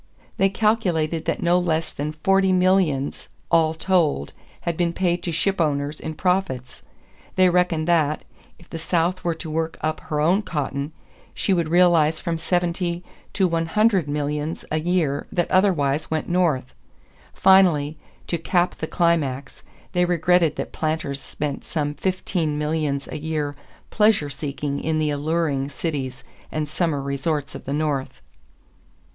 They calculated that no less than forty millions all told had been paid to shipowners in profits. They reckoned that, if the South were to work up her own cotton, she would realize from seventy to one hundred millions a year that otherwise went North. Finally, to cap the climax, they regretted that planters spent some fifteen millions a year pleasure seeking in the alluring cities and summer resorts of the North.